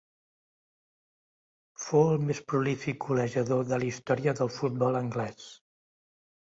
Fou el més prolífic golejador de la història del futbol anglès.